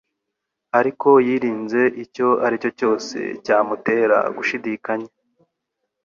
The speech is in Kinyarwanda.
ariko yirinze icyo aricyo cyose cyamutera gushidikanya